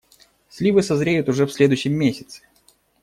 Сливы созреют уже в следующем месяце.